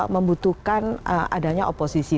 membutuhkan adanya oposisi